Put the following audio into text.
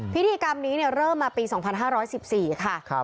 พิธีกรรมนี้เริ่มมาปี๒๕๑๔ค่ะ